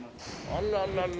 あららら。